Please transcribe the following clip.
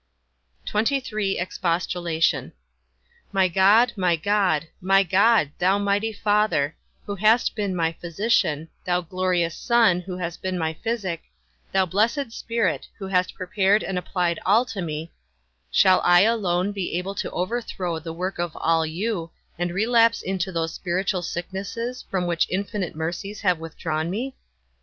XXIII. EXPOSTULATION. My God, my God, my God, thou mighty Father, who hast been my physician; thou glorious Son, who hast been my physic; thou blessed Spirit, who hast prepared and applied all to me, shall I alone be able to overthrow the work of all you, and relapse into those spiritual sicknesses from which infinite mercies have withdrawn me?